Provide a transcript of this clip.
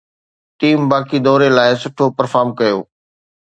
team باقي دوري لاء سٺو پرفارم ڪيو